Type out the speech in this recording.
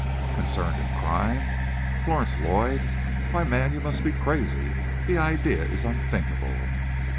"Concerned in crime? Florence Lloyd! why, man, you must be crazy! The idea is unthinkable!"